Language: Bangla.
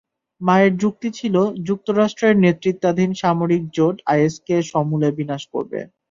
মায়ের যুক্তি ছিল, যুক্তরাষ্ট্রের নেতৃত্বাধীন সামরিক জোট আইএসকে সমূলে বিনাশ করবে।